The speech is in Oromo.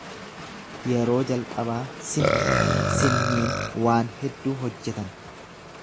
Yeroo jalqabaa sin sinniin waan hedduu hojjetan.